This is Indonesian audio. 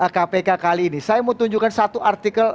ketika di penjelasan tadi